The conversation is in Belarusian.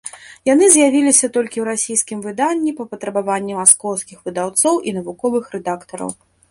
Яны з'явіліся толькі ў расійскім выданні па патрабаванні маскоўскіх выдаўцоў і навуковых рэдактараў.